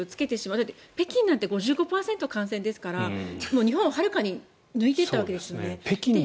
だって北京なんて５５％感染ですから日本をはるかに抜いていったわけですよね。